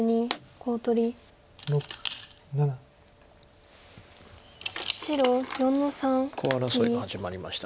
コウ争いが始まりました。